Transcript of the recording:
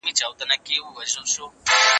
زه هره ورځ زدکړه کوم!.